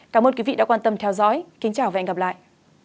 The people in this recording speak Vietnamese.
cảm ơn quý vị đã quan tâm theo dõi kính chào và hẹn gặp lại